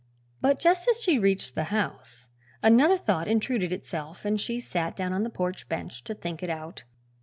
But just as she reached the house another thought intruded itself and she sat down on the porch bench to think it out.